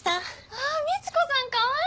あっみち子さんかわいい！